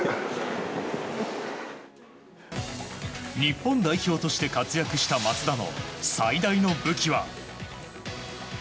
日本代表として活躍した松田の最大の武器は。